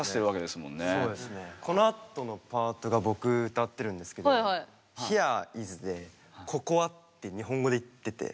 このあとのパートが僕歌ってるんですけどって日本語で言ってて。